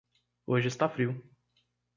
Hoje está frio